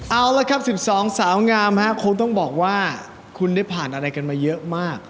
เอาละครับ๑๒สาวงามคงต้องบอกว่าคุณได้ผ่านอะไรกันมาเยอะมาก